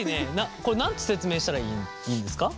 これ何て説明したらいいんですか？